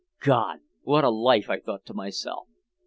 God, what a life, I thought to myself!